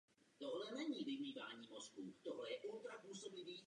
Součástí sbírky jsou také ukázky výrobků a nářadí řemeslníků z Brtnice.